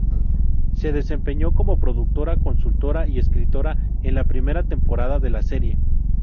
Se desempeñó como productora consultora y escritora en la primera temporada de la serie.